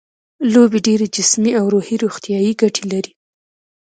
لوبې ډېرې جسمي او روحي روغتیايي ګټې لري.